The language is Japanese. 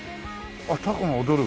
あっタコも踊る？